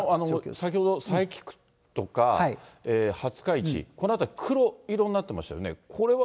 その先ほど、佐伯区とか廿日市、この辺り、黒色になってましたよね。